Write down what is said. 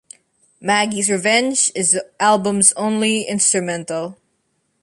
"Maggie's Revenge" is the album's only instrumental.